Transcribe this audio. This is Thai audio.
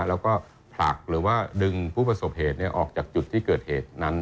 แล้วก็ผลักหรือว่าดึงผู้ประสบเหตุออกจากจุดที่เกิดเหตุนั้น